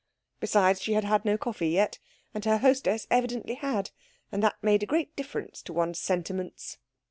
Besides, she had had no coffee yet, and her hostess evidently had, and that made a great difference to one's sentiments.